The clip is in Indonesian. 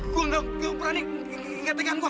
gue gak perani gak tekan gue